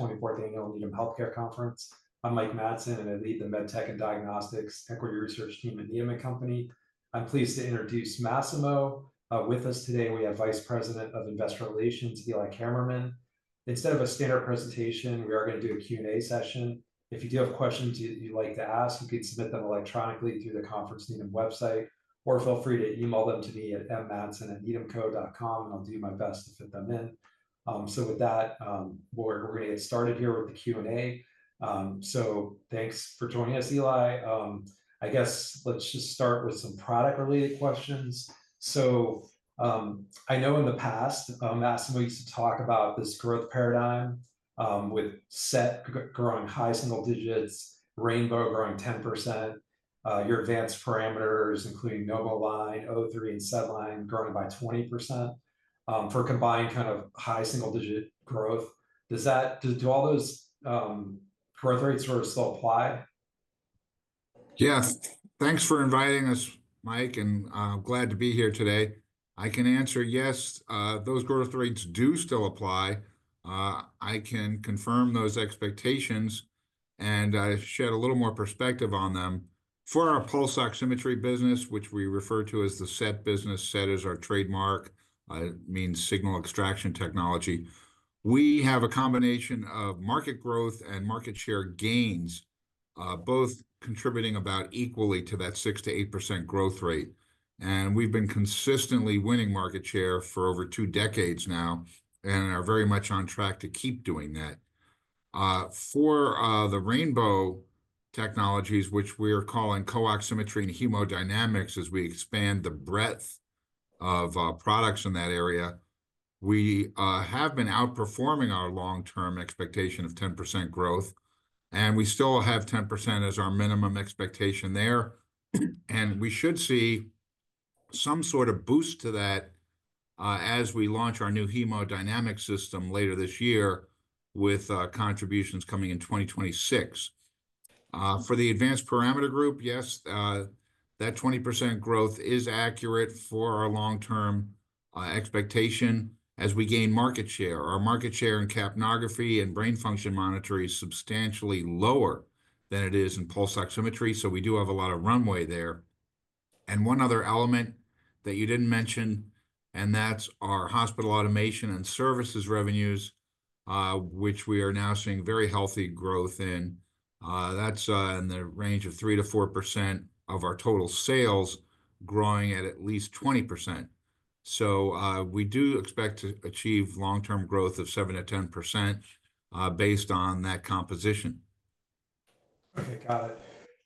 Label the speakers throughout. Speaker 1: 2024 The Annual Needham Healthcare Conference. I'm Mike Matson, and I lead the MedTech and Diagnostics Equity Research Team at Needham & Company. I'm pleased to introduce Masimo with us today. We have Vice President of Investor Relations, Eli Kammerman. Instead of a standard presentation, we are going to do a Q&A session. If you do have questions you'd like to ask, you can submit them electronically through the conference Needham website, or feel free to email them to me at mmatson@needhamco.com, and I'll do my best to fit them in. With that, we're going to get started here with the Q&A. Thanks for joining us, Eli. I guess let's just start with some product-related questions. I know in the past, Masimo used to talk about this growth paradigm with SET growing high single digits, Rainbow growing 10%, your advanced parameters, including NomoLine, O3, and SedLine growing by 20% for combined kind of high single digit growth. Does all those growth rates still apply?
Speaker 2: Yes. Thanks for inviting us, Mike, and I'm glad to be here today. I can answer yes. Those growth rates do still apply. I can confirm those expectations and shed a little more perspective on them. For our pulse oximetry business, which we refer to as the SET business, SET is our trademark. It means signal extraction technology. We have a combination of market growth and market share gains, both contributing about equally to that 6-8% growth rate. We have been consistently winning market share for over two decades now and are very much on track to keep doing that. For the Rainbow technologies, which we are calling co-oximetry and hemodynamics as we expand the breadth of products in that area, we have been outperforming our long-term expectation of 10% growth, and we still have 10% as our minimum expectation there. We should see some sort of boost to that as we launch our new hemodynamic system later this year with contributions coming in 2026. For the advanced parameter group, yes, that 20% growth is accurate for our long-term expectation as we gain market share. Our market share in capnography and brain function monitor is substantially lower than it is in pulse oximetry, so we do have a lot of runway there. One other element that you did not mention, and that is our hospital automation and services revenues, which we are now seeing very healthy growth in. That is in the range of 3-4% of our total sales growing at at least 20%. We do expect to achieve long-term growth of 7-10% based on that composition.
Speaker 1: Okay, got it.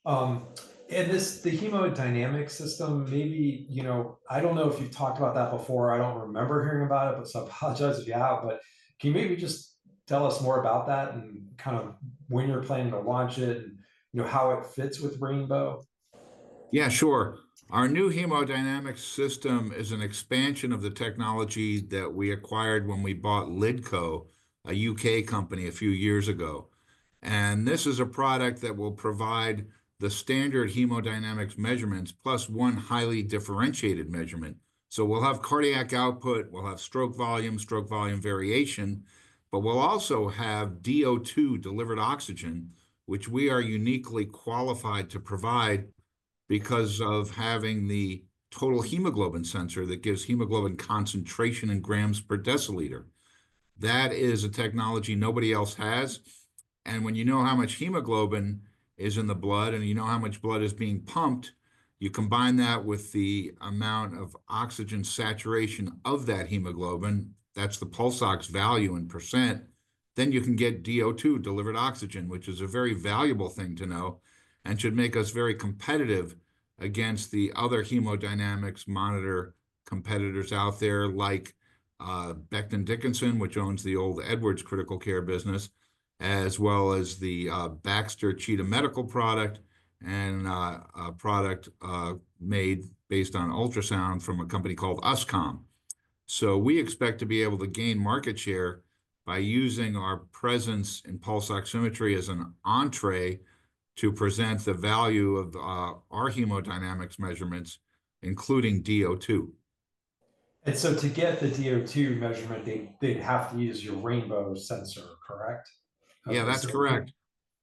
Speaker 1: The hemodynamic system, maybe, you know, I don't know if you've talked about that before. I don't remember hearing about it, so I apologize if you have, but can you maybe just tell us more about that and kind of when you're planning to launch it and how it fits with Rainbow?
Speaker 2: Yeah, sure. Our new hemodynamic system is an expansion of the technology that we acquired when we bought LiDCO, a U.K. company a few years ago. This is a product that will provide the standard hemodynamics measurements plus one highly differentiated measurement. We will have cardiac output, we will have stroke volume, stroke volume variation, but we will also have DO2, delivered oxygen, which we are uniquely qualified to provide because of having the total hemoglobin sensor that gives hemoglobin concentration in grams per deciliter. That is a technology nobody else has. When you know how much hemoglobin is in the blood and you know how much blood is being pumped, you combine that with the amount of oxygen saturation of that hemoglobin, that's the pulse ox value in %, then you can get DO2, delivered oxygen, which is a very valuable thing to know and should make us very competitive against the other hemodynamics monitor competitors out there like Becton Dickinson, which owns the old Edwards critical care business, as well as the Baxter Cheetah Medical product and a product made based on ultrasound from a company called Uscom. We expect to be able to gain market share by using our presence in pulse oximetry as an entree to present the value of our hemodynamics measurements, including DO2.
Speaker 1: To get the DO2 measurement, they'd have to use your Rainbow sensor, correct?
Speaker 2: Yeah, that's correct.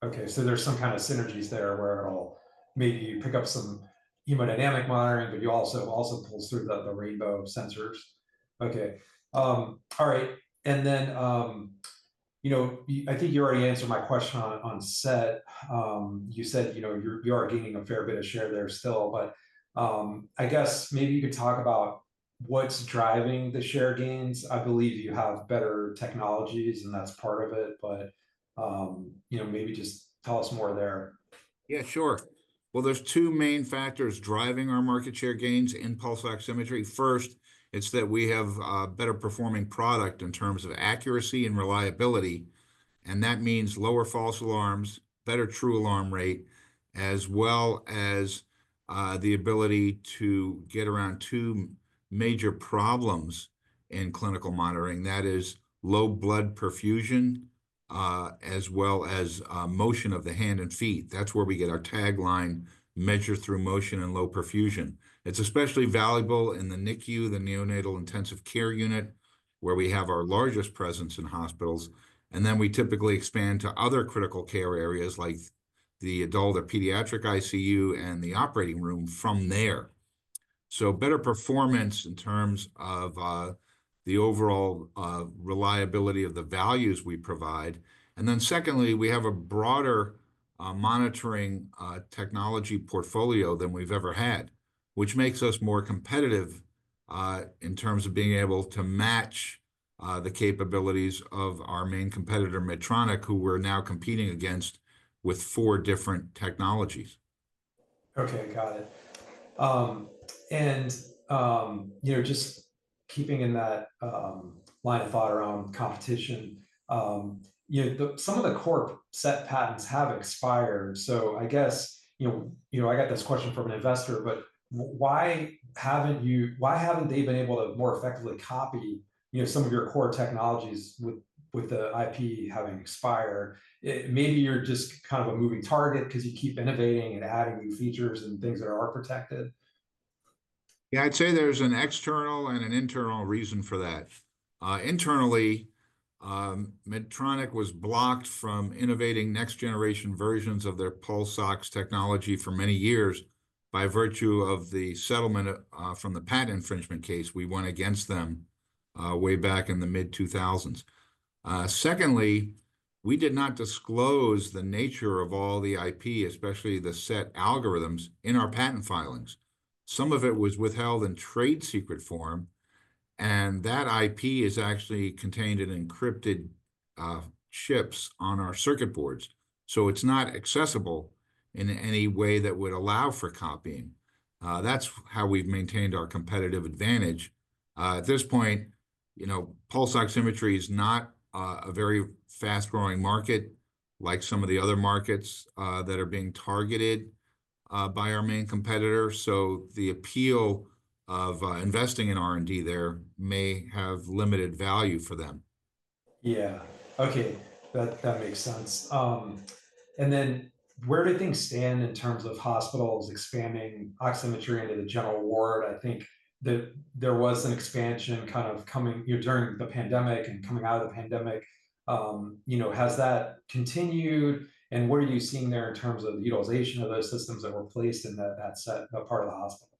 Speaker 1: Okay. There are some kind of synergies there where maybe you pick up some hemodynamic monitoring, but you also pull through the Rainbow sensors. All right. I think you already answered my question on SET. You said you are gaining a fair bit of share there still, but I guess maybe you could talk about what's driving the share gains. I believe you have better technologies and that's part of it, but maybe just tell us more there.
Speaker 2: Yeah, sure. There are two main factors driving our market share gains in pulse oximetry. First, it's that we have a better performing product in terms of accuracy and reliability. That means lower false alarms, better true alarm rate, as well as the ability to get around two major problems in clinical monitoring. That is low blood perfusion as well as motion of the hand and feet. That's where we get our tagline: measure through motion and low perfusion. It's especially valuable in the NICU, the Neonatal Intensive Care Unit, where we have our largest presence in hospitals. We typically expand to other critical care areas like the adult or pediatric ICU and the operating room from there. Better performance in terms of the overall reliability of the values we provide. Secondly, we have a broader monitoring technology portfolio than we've ever had, which makes us more competitive in terms of being able to match the capabilities of our main competitor, Medtronic, who we're now competing against with four different technologies.
Speaker 1: Okay, got it. Just keeping in that line of thought around competition, some of the core SET patents have expired. I guess I got this question from an investor, but why have not they been able to more effectively copy some of your core technologies with the IP having expired? Maybe you are just kind of a moving target because you keep innovating and adding new features and things that are architected.
Speaker 2: Yeah, I'd say there's an external and an internal reason for that. Internally, Medtronic was blocked from innovating next-generation versions of their pulse ox technology for many years by virtue of the settlement from the patent infringement case we went against them way back in the mid-2000s. Secondly, we did not disclose the nature of all the IP, especially the SET algorithms in our patent filings. Some of it was withheld in trade secret form, and that IP is actually contained in encrypted chips on our circuit boards. So it's not accessible in any way that would allow for copying. That's how we've maintained our competitive advantage. At this point, pulse oximetry is not a very fast-growing market like some of the other markets that are being targeted by our main competitor. The appeal of investing in R&D there may have limited value for them.
Speaker 1: Yeah. Okay. That makes sense. Where do things stand in terms of hospitals expanding oximetry into the general ward? I think there was an expansion kind of coming during the pandemic and coming out of the pandemic. Has that continued? What are you seeing there in terms of utilization of those systems that were placed in that part of the hospital?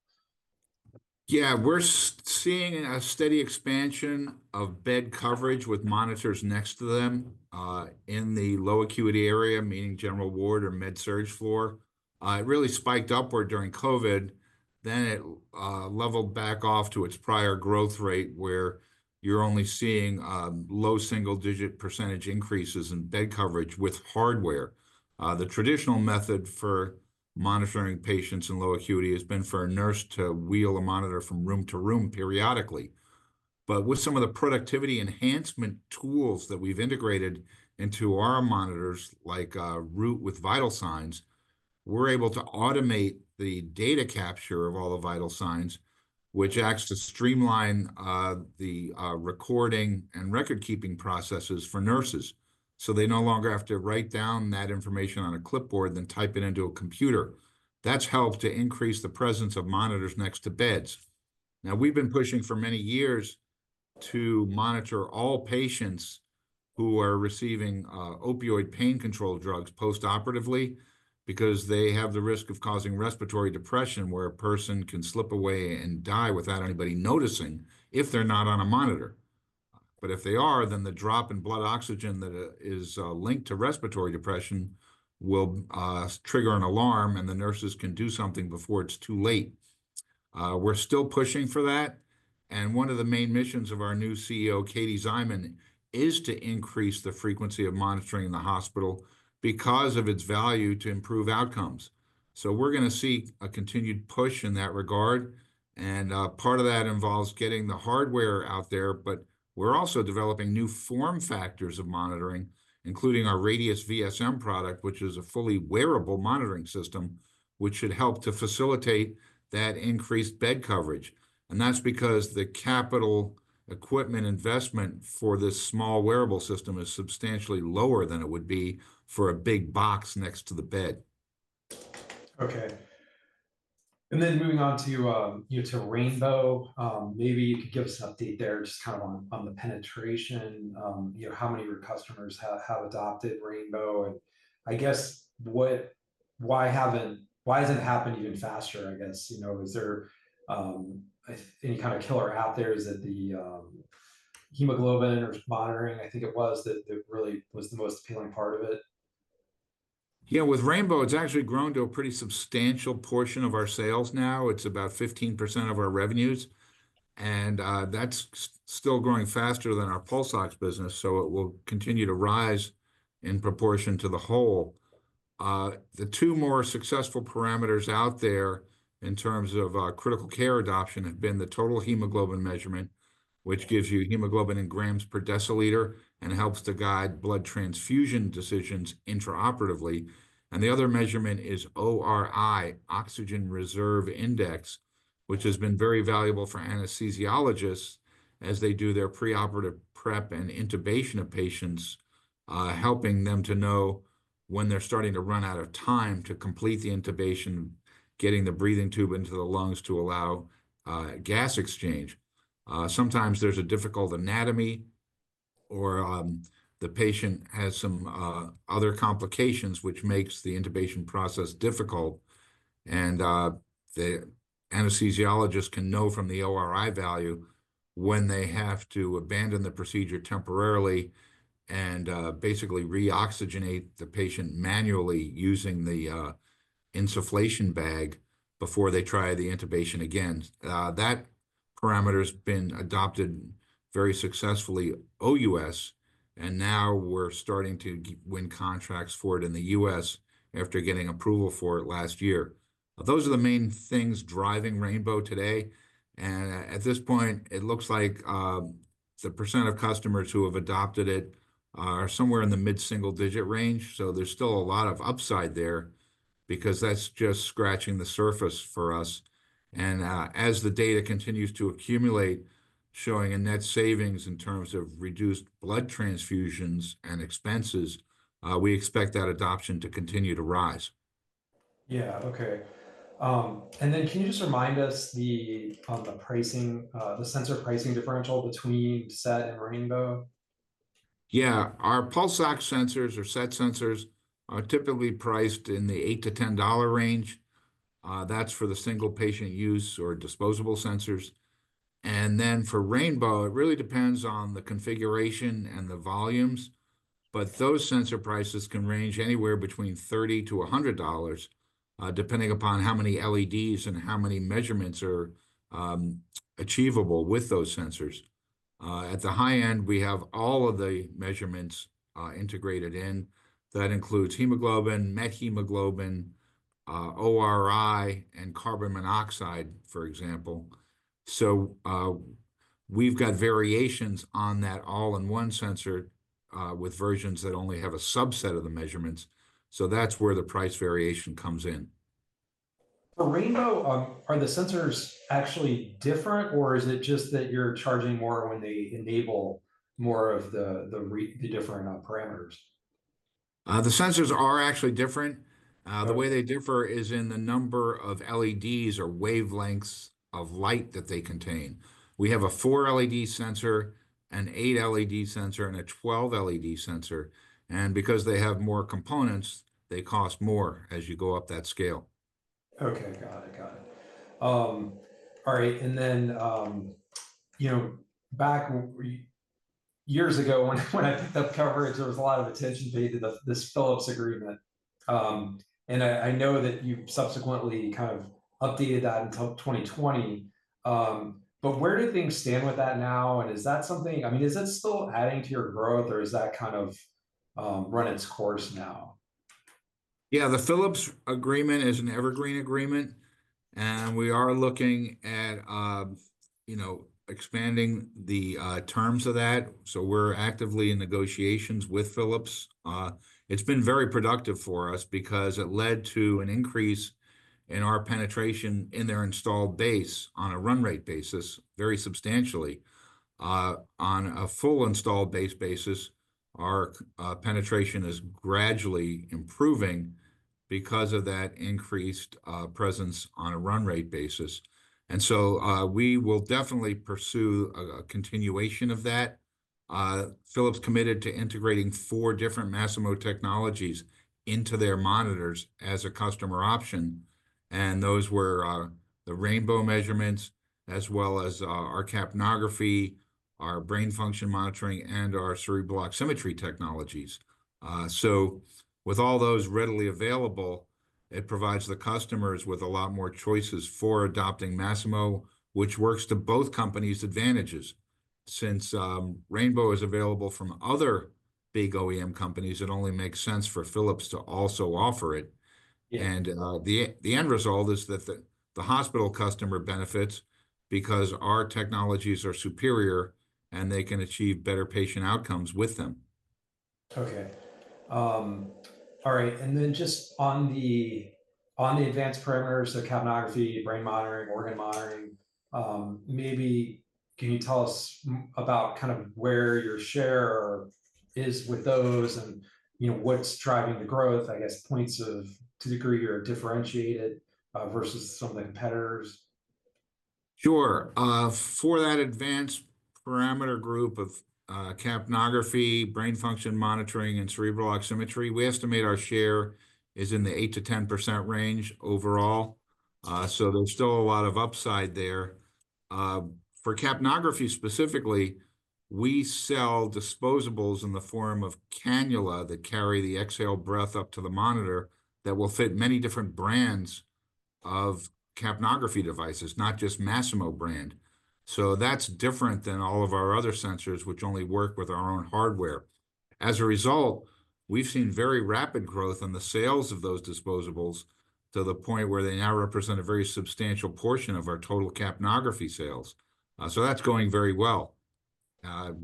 Speaker 2: Yeah, we're seeing a steady expansion of bed coverage with monitors next to them in the low acuity area, meaning general ward or Med-Surg floor. It really spiked upward during COVID. It leveled back off to its prior growth rate where you're only seeing low single-digit % increases in bed coverage with hardware. The traditional method for monitoring patients in low acuity has been for a nurse to wheel a monitor from room to room periodically. With some of the productivity enhancement tools that we've integrated into our monitors, like Root with vital signs, we're able to automate the data capture of all the vital signs, which acts to streamline the recording and record-keeping processes for nurses. They no longer have to write down that information on a clipboard, then type it into a computer. That's helped to increase the presence of monitors next to beds. Now, we've been pushing for many years to monitor all patients who are receiving opioid pain control drugs postoperatively because they have the risk of causing respiratory depression where a person can slip away and die without anybody noticing if they're not on a monitor. If they are, then the drop in blood oxygen that is linked to respiratory depression will trigger an alarm, and the nurses can do something before it's too late. We're still pushing for that. One of the main missions of our new CEO, Katie Szyman, is to increase the frequency of monitoring in the hospital because of its value to improve outcomes. We're going to see a continued push in that regard. Part of that involves getting the hardware out there, but we're also developing new form factors of monitoring, including our Radius VSM product, which is a fully wearable monitoring system, which should help to facilitate that increased bed coverage. That's because the capital equipment investment for this small wearable system is substantially lower than it would be for a big box next to the bed.
Speaker 1: Okay. Then moving on to Rainbow, maybe you could give us an update there just kind of on the penetration, how many of your customers have adopted Rainbow. I guess why has not it happened even faster, I guess? Is there any kind of killer out there? Is it the hemoglobin or monitoring, I think it was, that really was the most appealing part of it?
Speaker 2: Yeah, with Rainbow, it's actually grown to a pretty substantial portion of our sales now. It's about 15% of our revenues. That's still growing faster than our pulse ox business, so it will continue to rise in proportion to the whole. The two more successful parameters out there in terms of critical care adoption have been the total hemoglobin measurement, which gives you hemoglobin in grams per deciliter and helps to guide blood transfusion decisions intraoperatively. The other measurement is ORI, Oxygen Reserve Index, which has been very valuable for anesthesiologists as they do their preoperative prep and intubation of patients, helping them to know when they're starting to run out of time to complete the intubation, getting the breathing tube into the lungs to allow gas exchange. Sometimes there's a difficult anatomy or the patient has some other complications, which makes the intubation process difficult. The anesthesiologist can know from the ORI value when they have to abandon the procedure temporarily and basically re-oxygenate the patient manually using the insufflation bag before they try the intubation again. That parameter has been adopted very successfully OUS, and now we're starting to win contracts for it in the U.S. after getting approval for it last year. Those are the main things driving Rainbow today. At this point, it looks like the % of customers who have adopted it are somewhere in the mid-single-digit range. There is still a lot of upside there because that's just scratching the surface for us. As the data continues to accumulate, showing a net savings in terms of reduced blood transfusions and expenses, we expect that adoption to continue to rise.
Speaker 1: Yeah, okay. Can you just remind us the pricing, the sensor pricing differential between SET and Rainbow?
Speaker 2: Yeah, our pulse ox sensors or SET sensors are typically priced in the $8-$10 range. That's for the single patient use or disposable sensors. For rainbow, it really depends on the configuration and the volumes, but those sensor prices can range anywhere between $30-$100, depending upon how many LEDs and how many measurements are achievable with those sensors. At the high end, we have all of the measurements integrated in. That includes hemoglobin, methemoglobin, ORI, and carbon monoxide, for example. We have variations on that all-in-one sensor with versions that only have a subset of the measurements. That's where the price variation comes in.
Speaker 1: For Rainbow, are the sensors actually different, or is it just that you're charging more when they enable more of the different parameters?
Speaker 2: The sensors are actually different. The way they differ is in the number of LEDs or wavelengths of light that they contain. We have a four-LED sensor, an eight-LED sensor, and a twelve-LED sensor. Because they have more components, they cost more as you go up that scale.
Speaker 1: Okay, got it. Got it. All right. Back years ago, when I picked up coverage, there was a lot of attention paid to this Philips agreement. I know that you subsequently kind of updated that until 2020. Where do things stand with that now? Is that something, I mean, is it still adding to your growth, or has that kind of run its course now?
Speaker 2: Yeah, the Philips agreement is an evergreen agreement. We are looking at expanding the terms of that. We are actively in negotiations with Philips. It has been very productive for us because it led to an increase in our penetration in their installed base on a run rate basis, very substantially. On a full installed base basis, our penetration is gradually improving because of that increased presence on a run rate basis. We will definitely pursue a continuation of that. Philips committed to integrating four different Masimo technologies into their monitors as a customer option. Those were the Rainbow measurements, as well as our capnography, our brain function monitoring, and our cerebral oximetry technologies. With all those readily available, it provides the customers with a lot more choices for adopting Masimo, which works to both companies' advantages. Since Rainbow is available from other big OEM companies, it only makes sense for Philips to also offer it. The end result is that the hospital customer benefits because our technologies are superior and they can achieve better patient outcomes with them.
Speaker 1: All right. And then just on the advanced parameters, the capnography, brain monitoring, organ monitoring, maybe can you tell us about kind of where your share is with those and what's driving the growth, I guess, points of to the degree you're differentiated versus some of the competitors?
Speaker 2: Sure. For that advanced parameter group of capnography, brain function monitoring, and cerebral oximetry, we estimate our share is in the 8-10% range overall. There is still a lot of upside there. For capnography specifically, we sell disposables in the form of cannula that carry the exhale breath up to the monitor that will fit many different brands of capnography devices, not just Masimo brand. That is different than all of our other sensors, which only work with our own hardware. As a result, we have seen very rapid growth in the sales of those disposables to the point where they now represent a very substantial portion of our total capnography sales. That is going very well.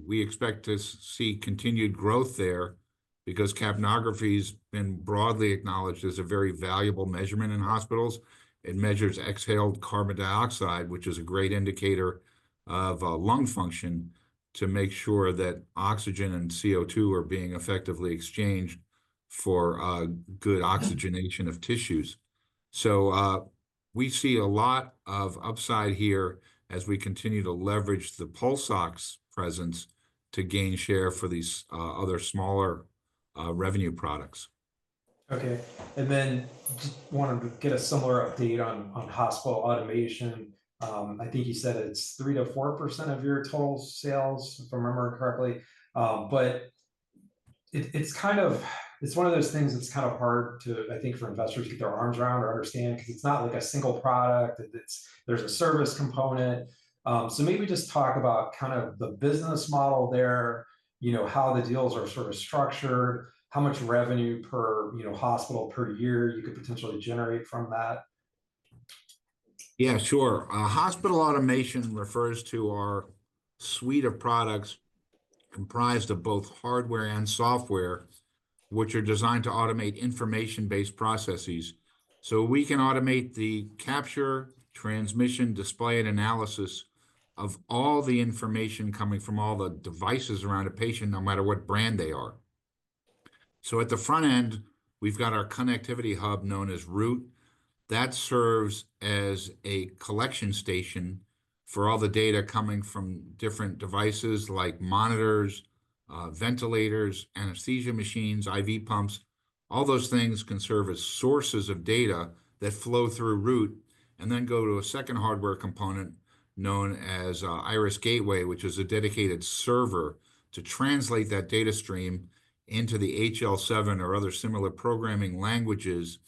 Speaker 2: We expect to see continued growth there because capnography has been broadly acknowledged as a very valuable measurement in hospitals. It measures exhaled carbon dioxide, which is a great indicator of lung function to make sure that oxygen and CO2 are being effectively exchanged for good oxygenation of tissues. We see a lot of upside here as we continue to leverage the pulse ox presence to gain share for these other smaller revenue products.
Speaker 1: Okay. I just wanted to get a similar update on hospital automation. I think you said it's 3-4% of your total sales, if I remember correctly. It's kind of one of those things that's kind of hard to, I think, for investors to get their arms around or understand because it's not like a single product. There's a service component. Maybe just talk about the business model there, how the deals are sort of structured, how much revenue per hospital per year you could potentially generate from that.
Speaker 2: Yeah, sure. Hospital automation refers to our suite of products comprised of both hardware and software, which are designed to automate information-based processes. We can automate the capture, transmission, display, and analysis of all the information coming from all the devices around a patient, no matter what brand they are. At the front end, we've got our connectivity hub known as Root. That serves as a collection station for all the data coming from different devices like monitors, ventilators, anesthesia machines, IV pumps. All those things can serve as sources of data that flow through Root and then go to a second hardware component known as Iris Gateway, which is a dedicated server to translate that data stream into the HL7 or other similar programming languages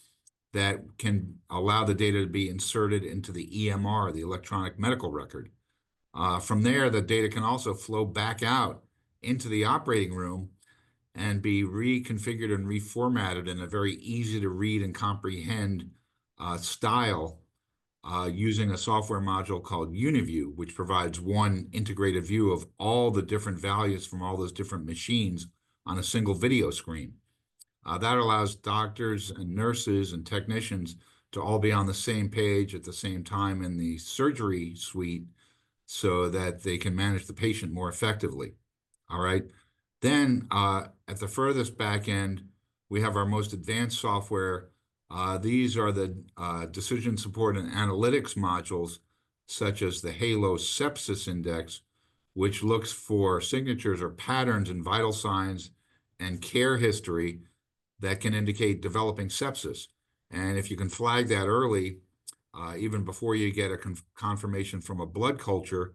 Speaker 2: that can allow the data to be inserted into the EMR, the electronic medical record. From there, the data can also flow back out into the operating room and be reconfigured and reformatted in a very easy-to-read and comprehend style using a software module called UniView, which provides one integrated view of all the different values from all those different machines on a single video screen. That allows doctors and nurses and technicians to all be on the same page at the same time in the surgery suite so that they can manage the patient more effectively. At the furthest back end, we have our most advanced software. These are the decision support and analytics modules, such as the Halo Sepsis Index, which looks for signatures or patterns in vital signs and care history that can indicate developing sepsis. If you can flag that early, even before you get a confirmation from a blood culture,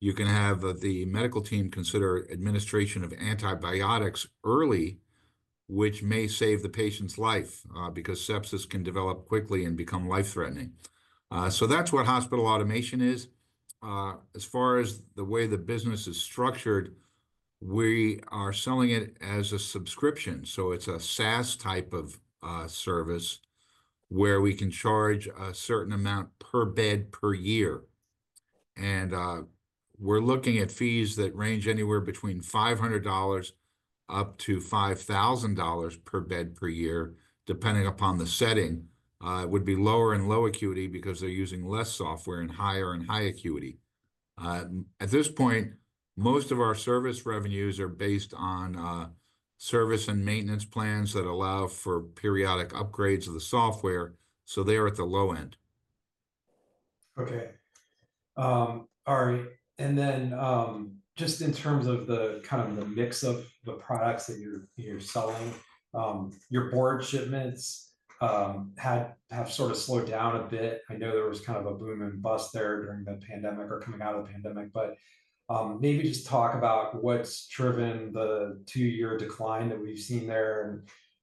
Speaker 2: you can have the medical team consider administration of antibiotics early, which may save the patient's life because sepsis can develop quickly and become life-threatening. That is what hospital automation is. As far as the way the business is structured, we are selling it as a subscription. It is a SaaS type of service where we can charge a certain amount per bed per year. We are looking at fees that range anywhere between $500-$5,000 per bed per year, depending upon the setting. It would be lower in low acuity because they are using less software and higher in high acuity. At this point, most of our service revenues are based on service and maintenance plans that allow for periodic upgrades of the software. They are at the low end.
Speaker 1: Okay. All right. Just in terms of the kind of the mix of the products that you're selling, your board shipments have sort of slowed down a bit. I know there was kind of a boom and bust there during the pandemic or coming out of the pandemic, but maybe just talk about what's driven the two-year decline that we've seen there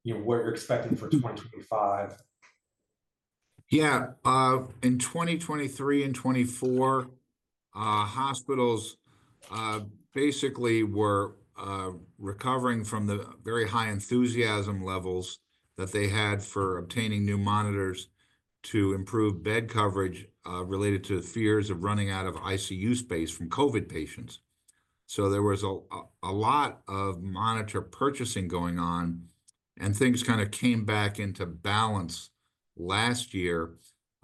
Speaker 1: and what you're expecting for 2025.
Speaker 2: Yeah. In 2023 and 2024, hospitals basically were recovering from the very high enthusiasm levels that they had for obtaining new monitors to improve bed coverage related to fears of running out of ICU space from COVID patients. There was a lot of monitor purchasing going on, and things kind of came back into balance last year.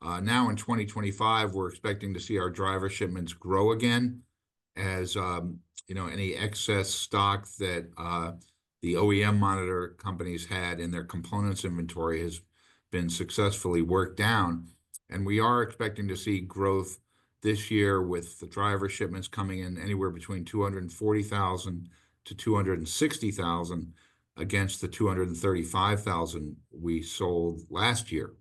Speaker 2: Now in 2025, we're expecting to see our driver shipments grow again as any excess stock that the OEM monitor companies had in their components inventory has been successfully worked down. We are expecting to see growth this year with the driver shipments coming in anywhere between 240,000-260,000 against the 235,000 we sold last year.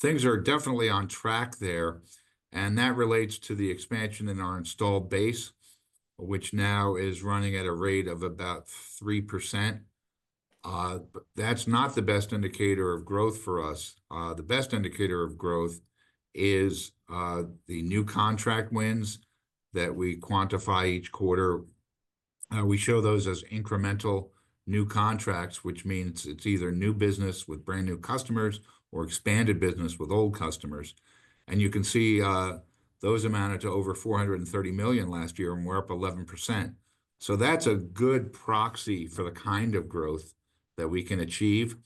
Speaker 2: Things are definitely on track there. That relates to the expansion in our installed base, which now is running at a rate of about 3%. That's not the best indicator of growth for us. The best indicator of growth is the new contract wins that we quantify each quarter. We show those as incremental new contracts, which means it's either new business with brand new customers or expanded business with old customers. You can see those amounted to over $430 million last year, and we're up 11%. That's a good proxy for the kind of growth that we can achieve.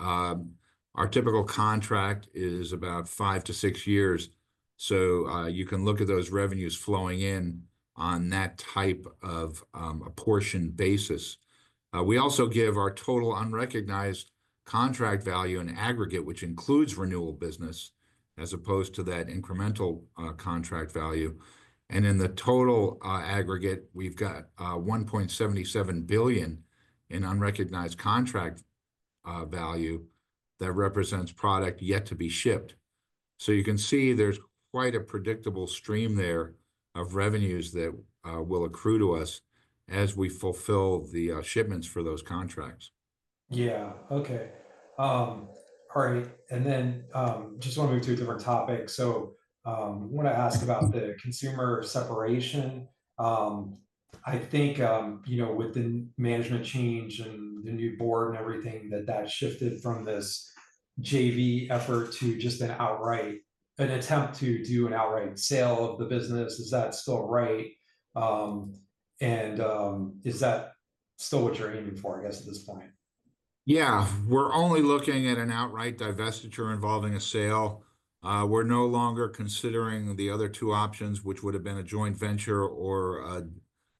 Speaker 2: Our typical contract is about five to six years. You can look at those revenues flowing in on that type of apportioned basis. We also give our total unrecognized contract value in aggregate, which includes renewal business, as opposed to that incremental contract value. In the total aggregate, we've got $1.77 billion in unrecognized contract value that represents product yet to be shipped. You can see there's quite a predictable stream there of revenues that will accrue to us as we fulfill the shipments for those contracts.
Speaker 1: Yeah. Okay. All right. I just want to move to a different topic. I want to ask about the consumer separation. I think with the management change and the new board and everything, that shifted from this JV effort to just an outright, an attempt to do an outright sale of the business. Is that still right? Is that still what you're aiming for, I guess, at this point?
Speaker 2: Yeah. We're only looking at an outright divestiture involving a sale. We're no longer considering the other two options, which would have been a joint venture or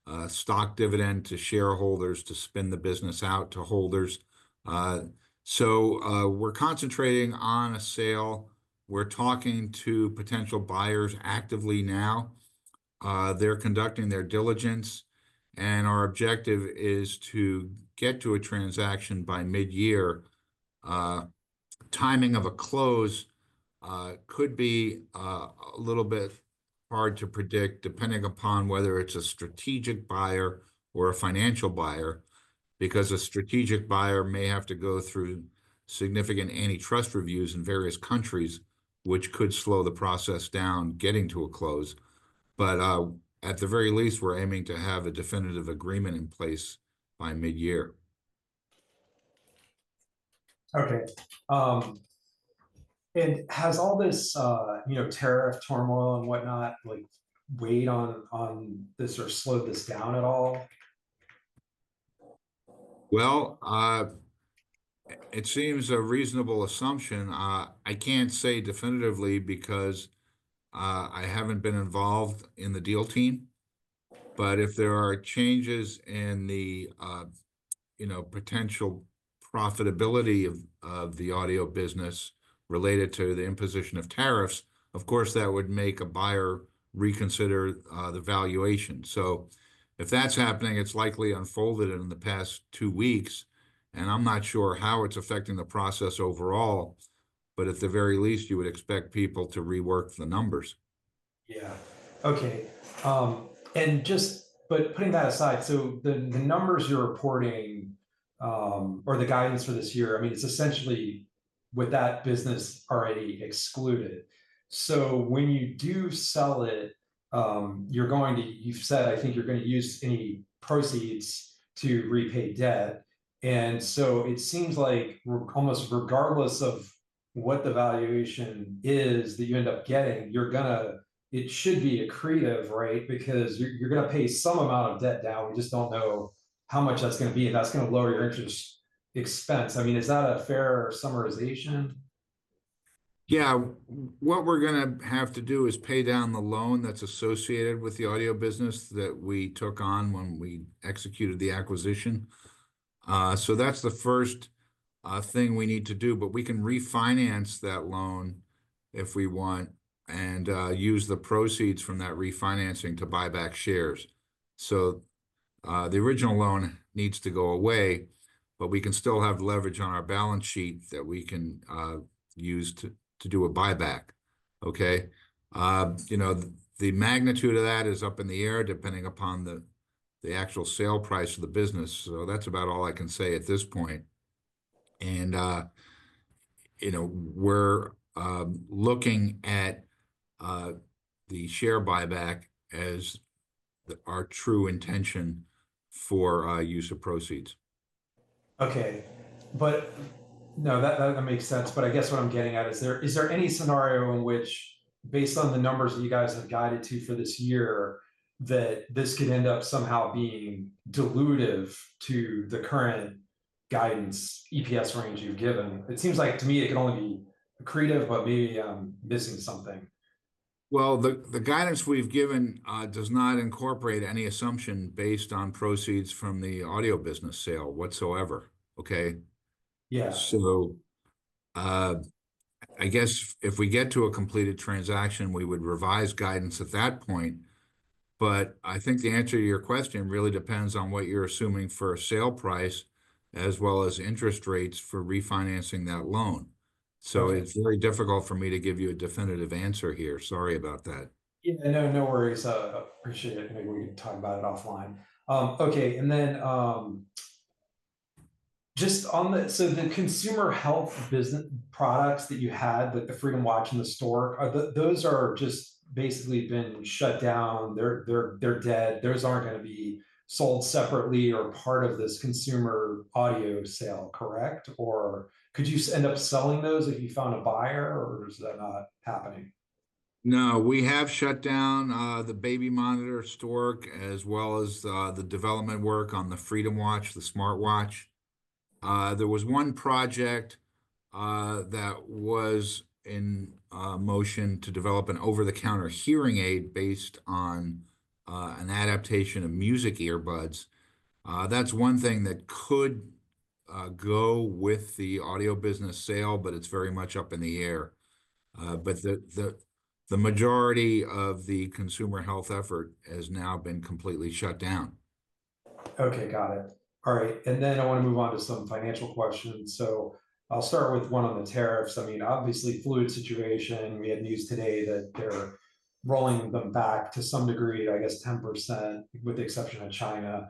Speaker 2: a stock dividend to shareholders to spin the business out to holders. We're concentrating on a sale. We're talking to potential buyers actively now. They're conducting their diligence. Our objective is to get to a transaction by mid-year. Timing of a close could be a little bit hard to predict, depending upon whether it's a strategic buyer or a financial buyer, because a strategic buyer may have to go through significant antitrust reviews in various countries, which could slow the process down getting to a close. At the very least, we're aiming to have a definitive agreement in place by mid-year.
Speaker 1: Okay. Has all this tariff turmoil and whatnot weighed on this or slowed this down at all?
Speaker 2: It seems a reasonable assumption. I can't say definitively because I haven't been involved in the deal team. If there are changes in the potential profitability of the audio business related to the imposition of tariffs, of course, that would make a buyer reconsider the valuation. If that's happening, it's likely unfolded in the past two weeks. I'm not sure how it's affecting the process overall, but at the very least, you would expect people to rework the numbers.
Speaker 1: Yeah. Okay. Putting that aside, the numbers you're reporting or the guidance for this year, I mean, it's essentially with that business already excluded. When you do sell it, you've said, I think you're going to use any proceeds to repay debt. It seems like almost regardless of what the valuation is that you end up getting, it should be accretive, right? Because you're going to pay some amount of debt down. We just do not know how much that's going to be, and that's going to lower your interest expense. I mean, is that a fair summarization?
Speaker 2: Yeah. What we're going to have to do is pay down the loan that's associated with the audio business that we took on when we executed the acquisition. That's the first thing we need to do. We can refinance that loan if we want and use the proceeds from that refinancing to buy back shares. The original loan needs to go away, but we can still have leverage on our balance sheet that we can use to do a buyback. Okay? The magnitude of that is up in the air depending upon the actual sale price of the business. That's about all I can say at this point. We're looking at the share buyback as our true intention for use of proceeds.
Speaker 1: Okay. That makes sense. I guess what I'm getting at is, is there any scenario in which, based on the numbers that you guys have guided to for this year, that this could end up somehow being dilutive to the current guidance EPS range you've given? It seems like to me it can only be accretive, but maybe I'm missing something.
Speaker 2: The guidance we've given does not incorporate any assumption based on proceeds from the audio business sale whatsoever. Okay?
Speaker 1: Yeah.
Speaker 2: I guess if we get to a completed transaction, we would revise guidance at that point. I think the answer to your question really depends on what you're assuming for a sale price as well as interest rates for refinancing that loan. It is very difficult for me to give you a definitive answer here. Sorry about that.
Speaker 1: Yeah. No, no worries. I appreciate it. Maybe we can talk about it offline. Okay. Just on the, so the consumer health products that you had, like the Freedom Watch and the Stork, those have just basically been shut down. They're dead. Those aren't going to be sold separately or part of this consumer audio sale, correct? Could you end up selling those if you found a buyer, or is that not happening?
Speaker 2: No. We have shut down the baby monitor, Stork, as well as the development work on the Freedom Watch, the smartwatch. There was one project that was in motion to develop an over-the-counter hearing aid based on an adaptation of music earbuds. That's one thing that could go with the audio business sale, but it's very much up in the air. The majority of the consumer health effort has now been completely shut down.
Speaker 1: Okay. Got it. All right. I want to move on to some financial questions. I'll start with one on the tariffs. I mean, obviously, fluid situation. We had news today that they're rolling them back to some degree, I guess, 10% with the exception of China.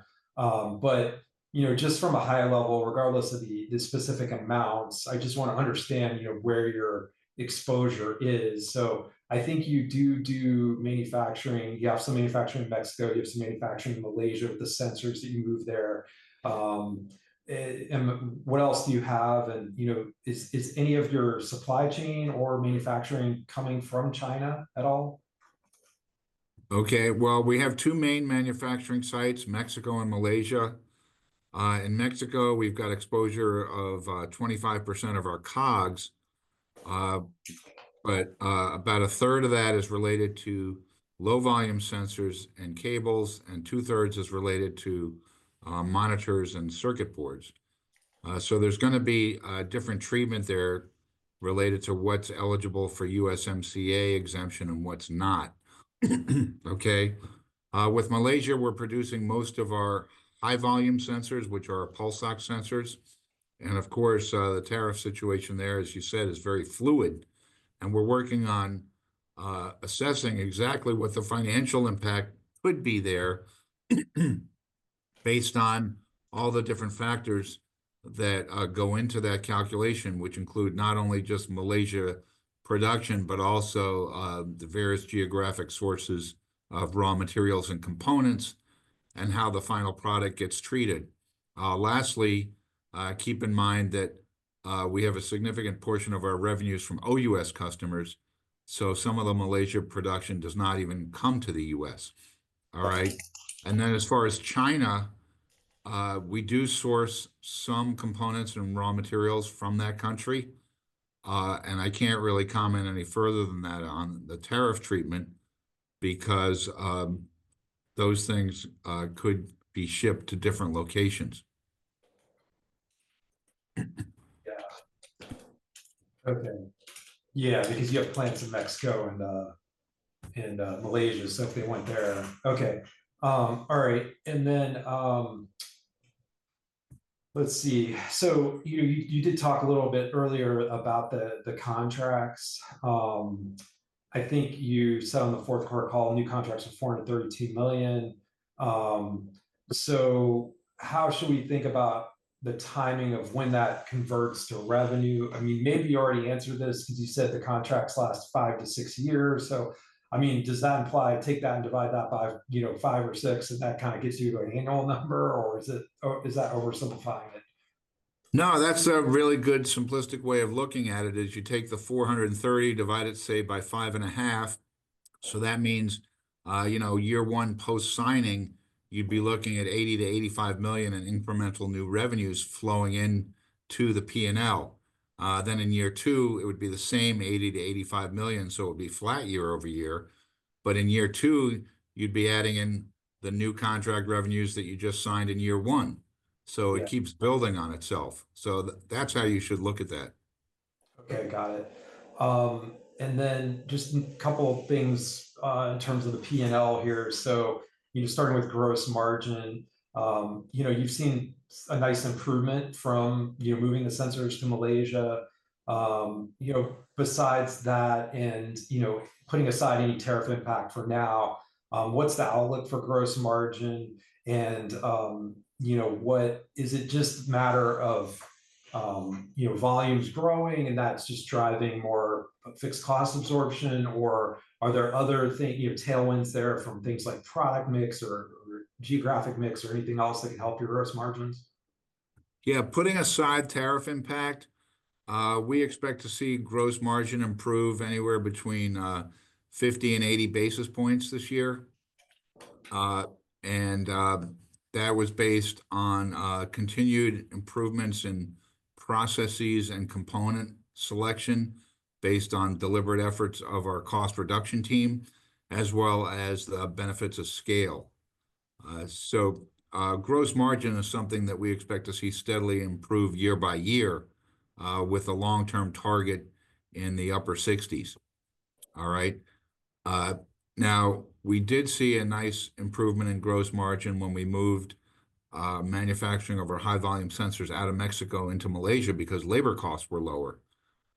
Speaker 1: Just from a high level, regardless of the specific amounts, I just want to understand where your exposure is. I think you do do manufacturing. You have some manufacturing in Mexico. You have some manufacturing in Malaysia with the sensors that you move there. What else do you have? Is any of your supply chain or manufacturing coming from China at all?
Speaker 2: Okay. We have two main manufacturing sites, Mexico and Malaysia. In Mexico, we've got exposure of 25% of our COGS. About a third of that is related to low-volume sensors and cables, and two-thirds is related to monitors and circuit boards. There is going to be different treatment there related to what's eligible for USMCA exemption and what's not. With Malaysia, we're producing most of our high-volume sensors, which are pulse ox sensors. Of course, the tariff situation there, as you said, is very fluid. We're working on assessing exactly what the financial impact could be there based on all the different factors that go into that calculation, which include not only just Malaysia production, but also the various geographic sources of raw materials and components and how the final product gets treated. Lastly, keep in mind that we have a significant portion of our revenues from OUS customers. Some of the Malaysia production does not even come to the U.S. All right? As far as China, we do source some components and raw materials from that country. I can't really comment any further than that on the tariff treatment because those things could be shipped to different locations.
Speaker 1: Yeah. Okay. Yeah. Because you have plants in Mexico and Malaysia. If they went there. Okay. All right. Let's see. You did talk a little bit earlier about the contracts. I think you said on the fourth quarter call, new contracts are $432 million. How should we think about the timing of when that converts to revenue? I mean, maybe you already answered this because you said the contracts last five to six years. I mean, does that imply take that and divide that by five or six, and that kind of gets you to an annual number, or is that oversimplifying it?
Speaker 2: No, that's a really good simplistic way of looking at it. As you take the 430, divide it, say, by five and a half. That means year one post-signing, you'd be looking at $80 million-$85 million in incremental new revenues flowing into the P&L. In year two, it would be the same $80 million-$85 million. It would be flat year over year. In year two, you'd be adding in the new contract revenues that you just signed in year one. It keeps building on itself. That's how you should look at that.
Speaker 1: Okay. Got it. Just a couple of things in terms of the P&L here. Starting with gross margin, you've seen a nice improvement from moving the sensors to Malaysia. Besides that, and putting aside any tariff impact for now, what's the outlook for gross margin? Is it just a matter of volumes growing, and that's just driving more fixed cost absorption, or are there other tailwinds there from things like product mix or geographic mix or anything else that can help your gross margins?
Speaker 2: Yeah. Putting aside tariff impact, we expect to see gross margin improve anywhere between 50 and 80 basis points this year. That was based on continued improvements in processes and component selection based on deliberate efforts of our cost reduction team, as well as the benefits of scale. Gross margin is something that we expect to see steadily improve year by year with a long-term target in the upper 60s. All right? We did see a nice improvement in gross margin when we moved manufacturing of our high-volume sensors out of Mexico into Malaysia because labor costs were lower.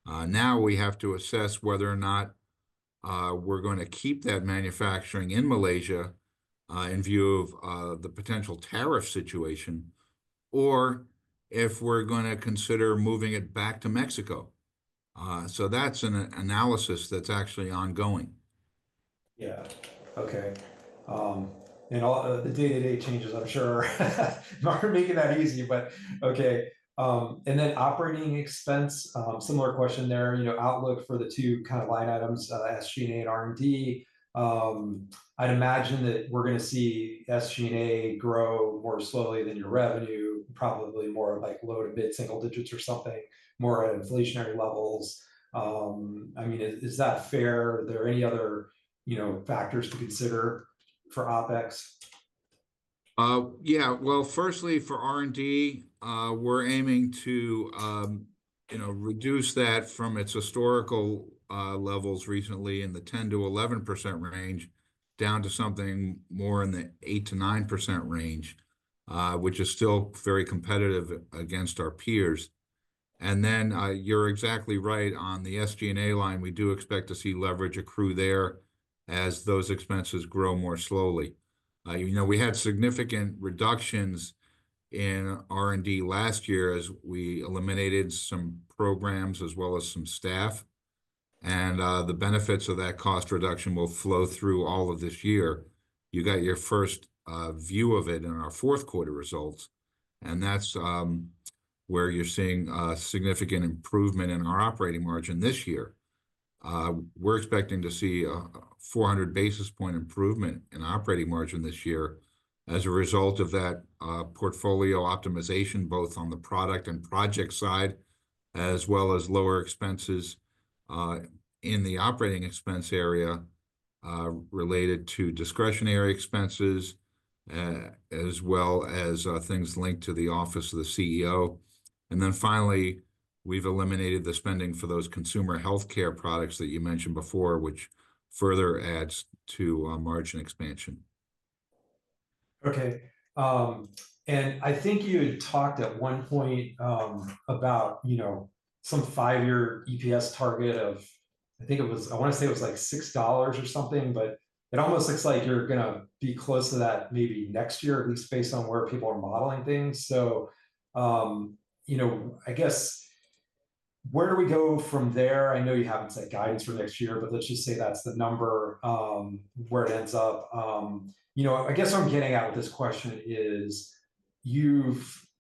Speaker 2: Now we have to assess whether or not we're going to keep that manufacturing in Malaysia in view of the potential tariff situation, or if we're going to consider moving it back to Mexico. That's an analysis that's actually ongoing.
Speaker 1: Yeah. Okay. The day-to-day changes, I'm sure, aren't making that easy, but okay. Then operating expense, similar question there. Outlook for the two kind of line items, SG&A and R&D. I'd imagine that we're going to see SG&A grow more slowly than your revenue, probably more like low to mid-single digits or something, more at inflationary levels. I mean, is that fair? Are there any other factors to consider for OPEX?
Speaker 2: Yeah. Firstly, for R&D, we're aiming to reduce that from its historical levels recently in the 10-11% range down to something more in the 8-9% range, which is still very competitive against our peers. You're exactly right. On the SG&A line, we do expect to see leverage accrue there as those expenses grow more slowly. We had significant reductions in R&D last year as we eliminated some programs as well as some staff. The benefits of that cost reduction will flow through all of this year. You got your first view of it in our fourth quarter results. That's where you're seeing a significant improvement in our operating margin this year. We're expecting to see a 400 basis point improvement in operating margin this year as a result of that portfolio optimization, both on the product and project side, as well as lower expenses in the operating expense area related to discretionary expenses, as well as things linked to the Office of the CEO. Finally, we've eliminated the spending for those consumer healthcare products that you mentioned before, which further adds to margin expansion.
Speaker 1: Okay. I think you had talked at one point about some five-year EPS target of, I think it was, I want to say it was like $6 or something, but it almost looks like you're going to be close to that maybe next year, at least based on where people are modeling things. I guess where do we go from there? I know you haven't said guidance for next year, but let's just say that's the number where it ends up. I guess what I'm getting at with this question is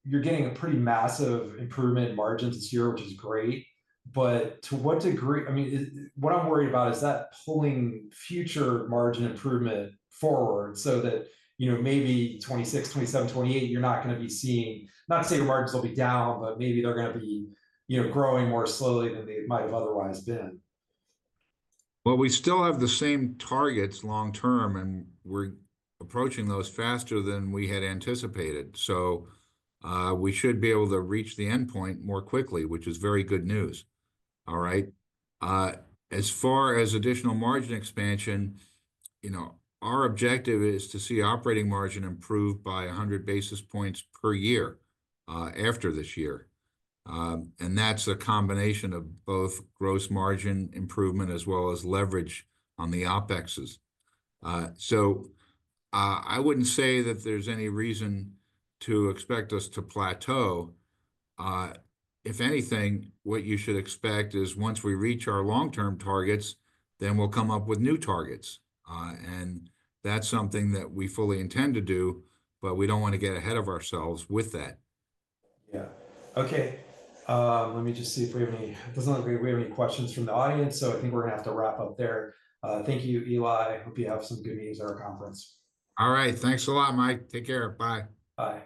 Speaker 1: you're getting a pretty massive improvement in margins this year, which is great. To what degree? I mean, what I'm worried about is that pulling future margin improvement forward so that maybe 2026, 2027, 2028, you're not going to be seeing, not to say your margins will be down, but maybe they're going to be growing more slowly than they might have otherwise been.
Speaker 2: We still have the same targets long-term, and we're approaching those faster than we had anticipated. We should be able to reach the endpoint more quickly, which is very good news. All right? As far as additional margin expansion, our objective is to see operating margin improved by 100 basis points per year after this year. That is a combination of both gross margin improvement as well as leverage on the OPEXs. I would not say that there is any reason to expect us to plateau. If anything, what you should expect is once we reach our long-term targets, we will come up with new targets. That is something that we fully intend to do, but we do not want to get ahead of ourselves with that.
Speaker 1: Yeah. Okay. Let me just see if we have any, it does not look like we have any questions from the audience. I think we are going to have to wrap up there. Thank you, Eli. Hope you have some good news at our conference.
Speaker 2: All right. Thanks a lot, Mike. Take care. Bye.
Speaker 1: Bye.